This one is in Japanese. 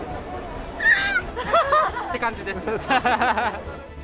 あ！って感じです。